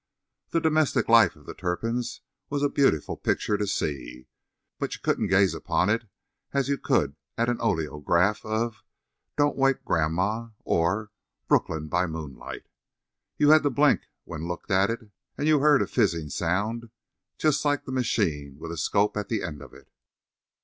The domestic life of the Turpins was a beautiful picture to see. But you couldn't gaze upon it as you could at an oleograph of "Don't Wake Grandma," or "Brooklyn by Moonlight." You had to blink when looked at it; and you heard a fizzing sound just like the machine with a "scope" at the end of it.